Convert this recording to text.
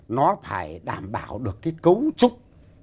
nó phải đảm bảo được cái cấu trúc